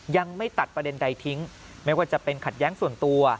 ยังไม่ตัดประเด็นใดทิ้งไม่ว่าจะเป็นขัดแย้งส่วนตัว